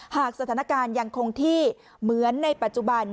หากสถานการณ์ยังคงที่เหมือนในปัจจุบัน